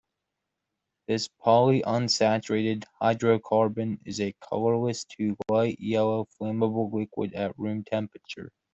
This polyunsaturated hydrocarbon is a colorless to light yellow flammable liquid at room temperature.